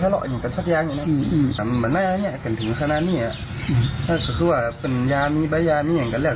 แต่ถิ่นเท่าที่แบบนี้นี่ก็เป็นร่างนั่งที่เก่งแล้ว